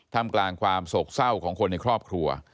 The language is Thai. ทำกลางความโศกเศร้าของคนในครอบครัว